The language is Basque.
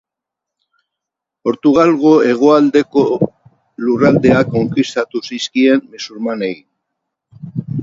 Portugalgo hegoaldeko lurraldeak konkistatu zizkien musulmanei.